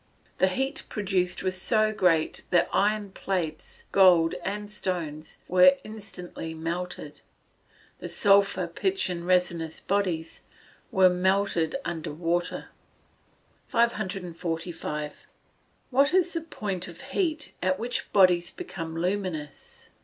The heat produced was so great that iron plates, gold, and stones were instantly melted; and sulphur, pitch, and resinous bodies, were melted under water. 545. _What is the point of heat at which bodies become luminous?